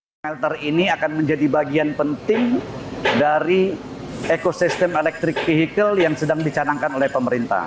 smelter ini akan menjadi bagian penting dari ekosistem elektrik vehicle yang sedang dicanangkan oleh pemerintah